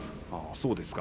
そうですか。